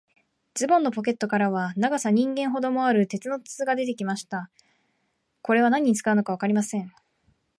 ズボンのポケットからは、長さ人間ほどもある、鉄の筒がありました。これは何に使うのかわかりません。